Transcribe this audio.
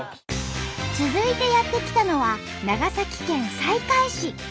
続いてやって来たのは長崎県西海市。